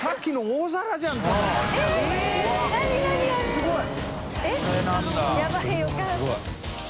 すごい。